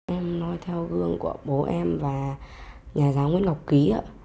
em nói theo gương của bố em và nhà giáo nguyễn ngọc ký